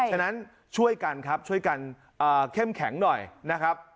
ฉะนั้นช่วยกันครับช่วยกันเข้มแข็งหน่อยนะครับ